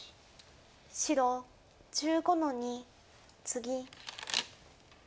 白１５の二ツギ。